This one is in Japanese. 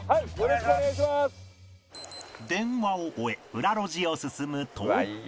電話を終え裏路地を進むと